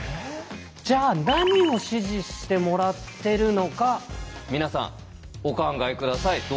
じゃあ何を指示してもらってるのか皆さんお考え下さい。